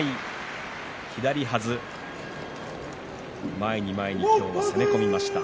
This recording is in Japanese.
前に前に攻め込みました。